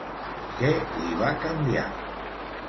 Què li va canviar?